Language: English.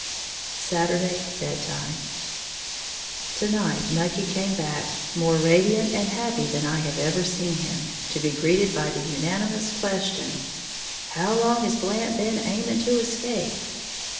Saturday, Bed time. To night Nucky came back, more radiant and happy than I have ever seen him, to be greeted by the unanimous question, "How long has Blant been aiming to escape?"